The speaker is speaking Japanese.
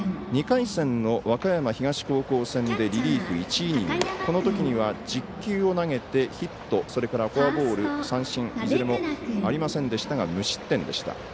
２回戦の和歌山東戦でリリーフ１イニングこのときには１０球を投げてヒット、それからフォアボール三振いずれもありませんでしたが無失点でした。